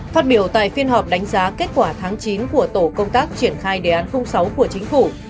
phát biểu tại phiên họp đánh giá kết quả tháng chín của tổ công tác triển khai đề án sáu của chính phủ